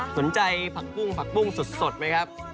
ผักปุ้งผักปุ้งสดไหมครับ